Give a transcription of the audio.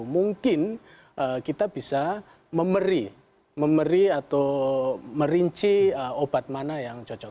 mungkin kita bisa memeri atau merinci obat mana yang cocok